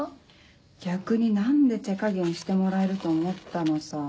逆に何で手加減してもらえると思ったのさ。